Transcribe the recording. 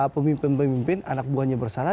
pemimpin pemimpin anak buahnya bersalah